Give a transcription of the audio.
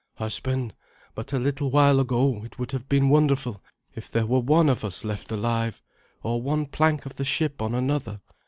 "Husband, but a little while ago it would have been wonderful if there were one of us left alive, or one plank of the ship on another.